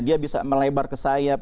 dia bisa melebar ke sayap